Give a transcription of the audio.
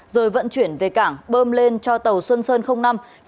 rồi vận chuyển về cảng bơm lên cho tàu xuân sơn năm sau đó bấm lại nhằm kiếm lời